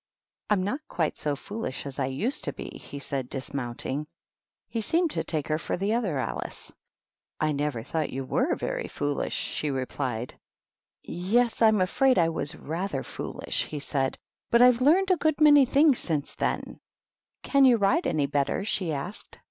"I'm not quite so foolish as I used to be;" he said, dis mounting. He seemed to take her for the other Alice. "I never thought you were very foolish," she repUed. "Yes, I'm afraid I was rather foolish," he said; "but I've learned a good many things since then." 103 104 THE WHITE KNIGHT. " Can you ride any better ?" she asked.